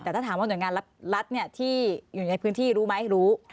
แต่ถ้าถามว่าหน่วยงานรัฐที่อยู่ในพื้นที่รู้ไหมรู้